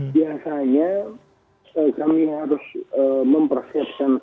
biasanya kami harus mempersiapkan